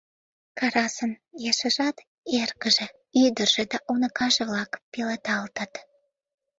Карасын ешыжат - эргыже, ӱдыржӧ да уныкаже-влак - пеледалтыт.